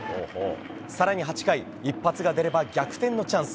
更に８回一発が出れば逆転のチャンス。